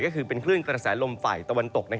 ก็คือเป็นคลื่นกระแสลมฝ่ายตะวันตก